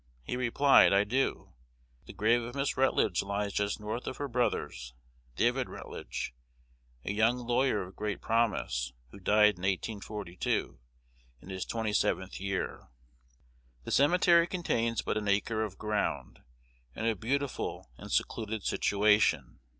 He replied, 'I do. The grave of Miss Rutledge lies just north of her brother's, David Rutledge, a young lawyer of great promise, who died in 1842, in his twenty seventh year.' "The cemetery contains but an acre of ground, in a beautiful and secluded situation.